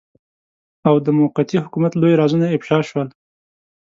او د موقتي حکومت لوی رازونه افشاء شول.